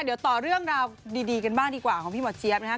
เดี๋ยวต่อเรื่องราวดีกันบ้างดีกว่าของพี่หมอเจี๊ยบนะครับ